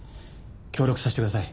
協力させてください。